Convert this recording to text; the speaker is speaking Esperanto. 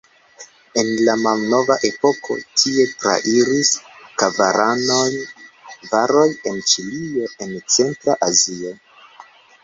En la malnova epoko, tie trairis karavanoj, varoj el Ĉinio al Centra Azio.